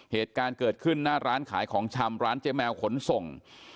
เหตุการณ์เกิดขึ้นหน้าร้านขายของชำร้านเจ๊แมวขนส่ง